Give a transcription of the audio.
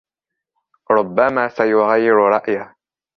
ربما سيغير رأيه.